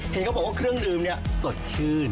เห็นเขาบอกว่าเครื่องดื่มเนี่ยสดชื่น